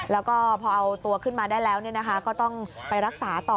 แล้วก็พอเอาตัวขึ้นมาได้แล้วก็ต้องไปรักษาต่อ